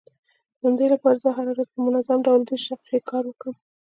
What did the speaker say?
د همدې لپاره به زه هره ورځ په منظم ډول دېرش دقيقې کار وکړم.